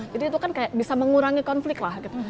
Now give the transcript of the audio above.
jadi itu kan kayak bisa mengurangi konflik lah gitu